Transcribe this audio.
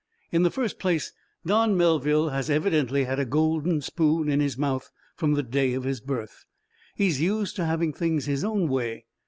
"In the first place, Don Melville has evidently had a golden spoon in his mouth from the day of his birth. He's used to having things his own way.